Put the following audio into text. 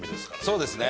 そうですね